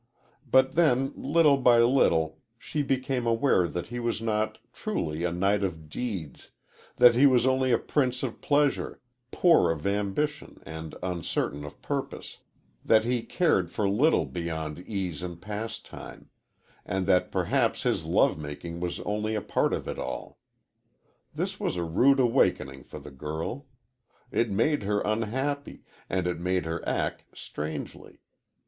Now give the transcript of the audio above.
"But, then, little by little, she became aware that he was not truly a knight of deeds that he was only a prince of pleasure, poor of ambition and uncertain of purpose that he cared for little beyond ease and pastime, and that perhaps his love making was only a part of it all. This was a rude awakening for the girl. It made her unhappy, and it made her act strangely.